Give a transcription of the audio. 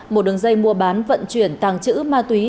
một đường dây mua bán vận chuyển tàng trữ ma túy